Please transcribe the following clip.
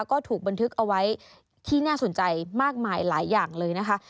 ก็ถูกบันทึกเอาไว้ที่น่าสนใจมากมายหลายอย่างเลยนะคะ